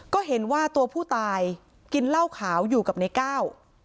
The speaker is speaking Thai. ก็เห็นว่าตัวผู้ตายกินเหล้าขาวอยู่กับในก้าว